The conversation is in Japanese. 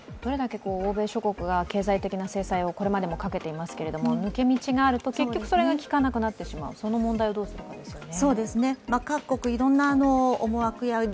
欧米諸国が経済的な制裁をこれまでかけていますけども、抜け道があると結局それが効かなくなってしまう、その問題をどうするかですよね。